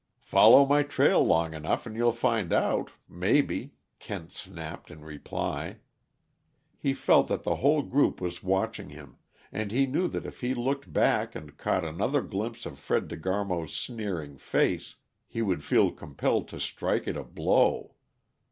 "Follow my trail long enough and you'll find out maybe," Kent snapped in reply. He felt that the whole group was watching hum, and he knew that if he looked back and caught another glimpse of Fred De Garmo's sneering face he would feel compelled to strike it a blow.